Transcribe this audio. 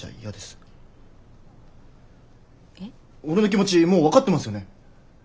俺の気持ちもう分かってますよね？